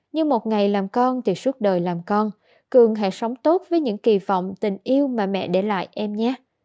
như một ngày làm con thì suốt đời làm con cường hãy sống tốt với những kỳ vọng tình yêu mà mẹ để lại em nhé